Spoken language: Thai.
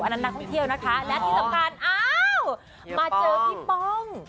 นักท่องเที่ยวนะคะและที่สำคัญอ้าวมาเจอพี่ป้อง